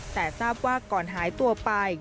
แต่ทราบว่าก่อนหายตัวไป